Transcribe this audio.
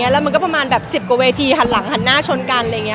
และมันก็ประมาณ๑๐กว่าเวทีหันหลังหันหน้าชนกัน